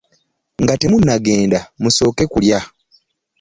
Nga temunnagenda musooke kulya.